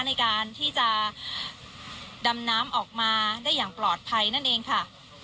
ในการที่จะดำน้ำออกมาได้อย่างปลอดภัยนั่นเองค่ะ